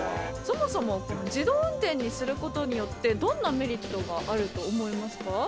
そもそも自動運転にすることによってどんなメリットがあると思いますか？